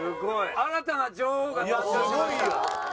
新たな女王が誕生しました。